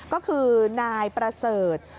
ก็คือนายประเสริฐ